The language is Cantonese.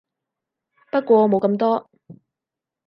不過冇咁多